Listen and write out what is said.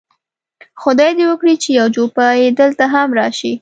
خدای دې وکړي چې یو جوپه یې دلته هم راشي.